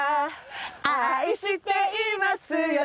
「愛していますよと」